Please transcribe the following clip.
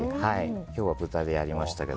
今日は豚でやりましたけど。